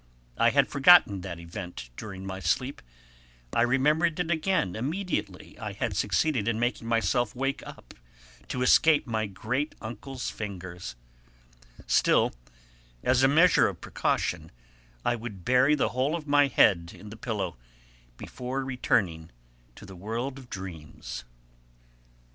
I had forgotten that event during my sleep; I remembered it again immediately I had succeeded in making myself wake up to escape my great uncle's fingers; still, as a measure of precaution, I would bury the whole of my head in the pillow before returning to the world of dreams.